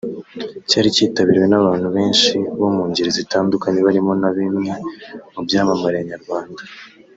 Cyari kitabiriwe n’abantu benshi bo mu ngeri zitandukanye barimo na bimwe mu byamamare nyarwanda